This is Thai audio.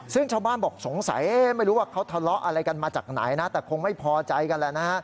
ซึ่งชาวบ้านบอกสงสัยไม่รู้ว่าเขาทะเลาะอะไรกันมาจากไหนนะแต่คงไม่พอใจกันแหละนะฮะ